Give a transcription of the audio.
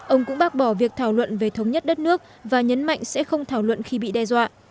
ông cũng bác bỏ việc thảo luận về thống nhất đất nước và nhấn mạnh sẽ không thảo luận khi bị đe dọa